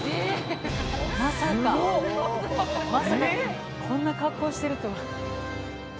まさかこんな格好してるとは。